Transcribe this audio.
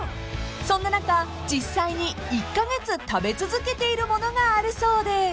［そんな中実際に１カ月食べ続けているものがあるそうで］